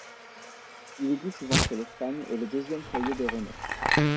Il est dit souvent que l'Espagne est le deuxième foyer de Renault.